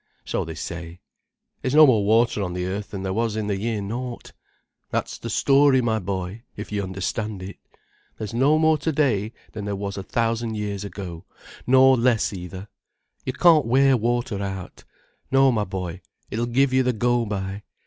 So they say. There's no more water on the earth than there was in the year naught. That's the story, my boy, if you understand it. There's no more to day than there was a thousand years ago—nor no less either. You can't wear water out. No, my boy: it'll give you the go by.